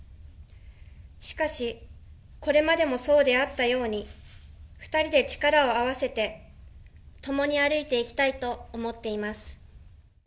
しかし、これまでもそうであったように、２人で力を合わせて、共に歩いていきたいと思っています。